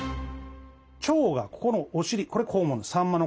腸がここのお尻これ肛門です。